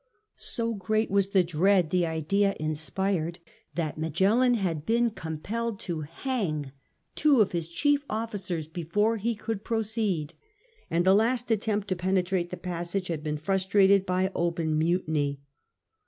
So great was the dread the idea inspired that Magellan had been com pelled to hang two of his chief officers before he could proceed, and the last attempt to penetrate the passage had been frustrated by open mutiny.